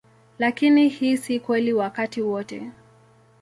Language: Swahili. Lakini hii si kweli wakati wote.